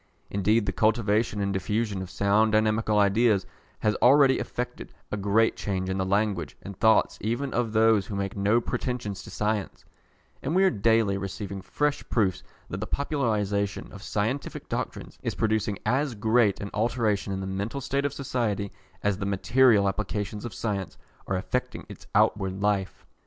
Indeed the cultivation and diffusion of sound dynamical ideas has already effected a great change in the language and thoughts even of those who make no pretensions to science, and we are daily receiving fresh proofs that the popularisation of scientific doctrines is producing as great an alteration in the mental state of society as the material applications of science are effecting in its outward life.